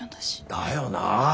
だよなあ